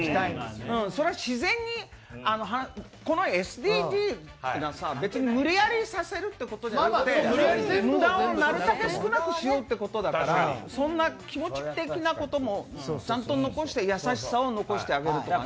それは自然に、このＳＤＧｓというのは別に無理やりさせるということじゃなくて無駄をなるたけ少なくしようということだから、そんな気持ち的なこともちゃんと残して、優しさを残してあげるとかね。